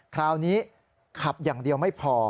คราวนี้ขับอย่างเดียวไม่พอ